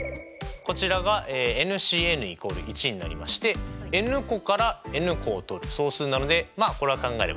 こちらがＣ＝１になりましてｎ個からｎ個をとる総数なのでまあこれは考えれば分かると。